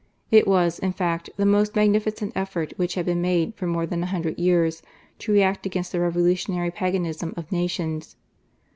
It was, in fact, the most magnificent effort which had been made for more than a hundred years to react against the revolutionary paganism of nations.